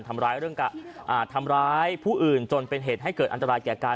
ทำร้ายเรื่องทำร้ายผู้อื่นจนเป็นเหตุให้เกิดอันตรายแก่กาย